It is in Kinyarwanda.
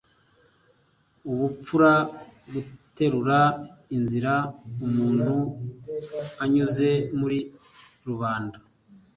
ubupfura guterura inzira umuntu anyuze muri rubanda